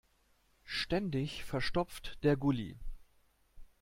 Ständig verstopft der Gully.